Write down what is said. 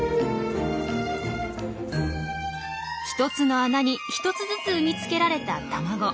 １つの穴に１つずつ産み付けられた卵。